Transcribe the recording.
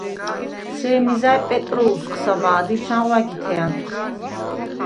სემი ზა̈ჲ პეტროუ̂სკას ამა̄დ ი ეჩუნღო ა̈გითე ა̈ნტუ̂ხ.